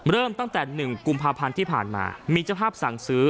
เริ่มตั้งแต่๑กุมภาพันธ์ที่ผ่านมามีเจ้าภาพสั่งซื้อ